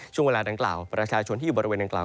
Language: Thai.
ช่วงเวลาดังกล่าวประชาชนที่อยู่บริเวณดังกล่า